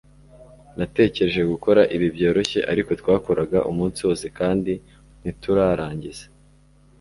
Natekereje gukora ibi byoroshye ariko twakoraga umunsi wose kandi ntiturarangiza